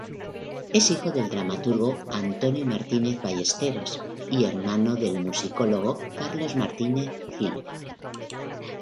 Es hijo del dramaturgo Antonio Martínez Ballesteros y hermano del musicólogo Carlos Martínez Gil.